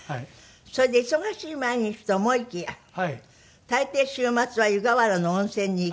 それで忙しい毎日と思いきや大抵週末は湯河原の温泉に行く？